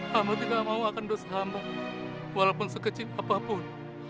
hamba tidak mahu akan dosa hamba walaupun sekecil apapun